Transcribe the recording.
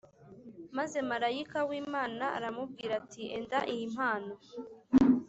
Maze malayika w’Imana aramubwira ati Enda iyi mpano